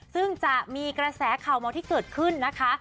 ซึ่งจะมีกระแสข่าวเมาที่เกิดขึ้นนะคะ